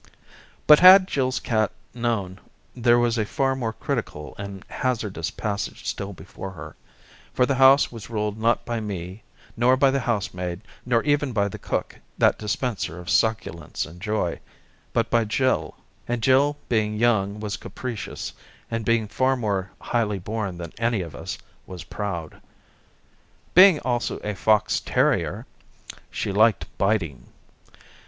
But had Jill's cat known, there was a far more critical and hazardous passage still before her, for the house was ruled not by me, nor by the housemaid, nor even by the cook, that dispenser of succulence and joy, but by Jill, and Jill being young was capricious, and being far more highly born than any of us, was proud. Being also a fox terrier she liked biting.